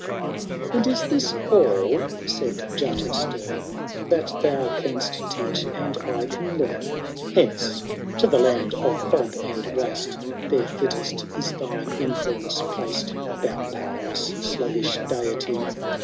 XIX. And is this all," said Jutta stem, ^ That thou can'st teach and I can learn ? Hence ! to the land of fog and waste, There Attest is thine influence placed, Thou powerless, sluggish Deity